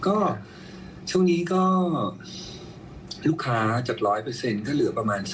ก็ช่วงนี้ก็ลูกค้าจาก๑๐๐ก็เหลือประมาณ